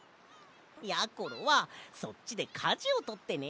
やころはそっちでかじをとってね。